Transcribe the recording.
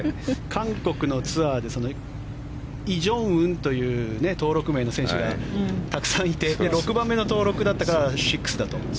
韓国のツアーでイ・ジョンウンという登録名の選手がたくさんいて６番目に登録だったから６だと。